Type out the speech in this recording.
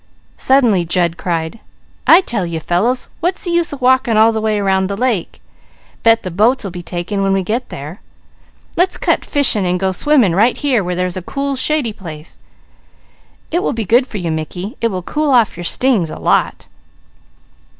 Suddenly Jud cried: "I tell you fellows, what's the use of walking all the way round the lake? Bet the boats will be taken when we get there! Let's cut fishing and go swimming right here where there's a cool, shady place. It will be good for you Mickey, it will cool off your stings a lot."